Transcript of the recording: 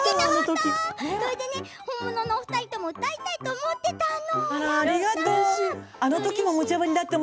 それでね、本物のお二人とも歌いたいと思っていたの！